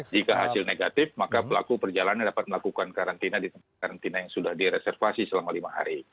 jika hasil negatif maka pelaku perjalanan dapat melakukan karantina di tempat karantina yang sudah direservasi selama lima hari